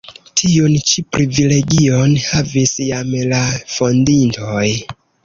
Tiun ĉi privilegion havis jam la fondintoj.